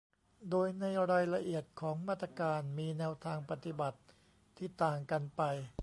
โดยในรายละเอียดของมาตรการมีแนวทางปฏิบัติที่ต่างกันไป